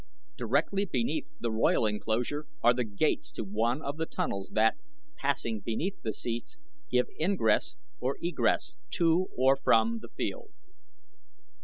Directly beneath the royal enclosure are the gates to one of the tunnels that, passing beneath the seats, give ingress or egress to or from the Field.